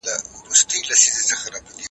د مطرب به په شهباز کي غزل نور وي